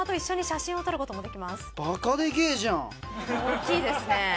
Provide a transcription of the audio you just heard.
おっきいですね。